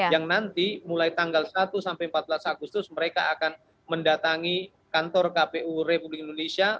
yang nanti mulai tanggal satu sampai empat belas agustus mereka akan mendatangi kantor kpu republik indonesia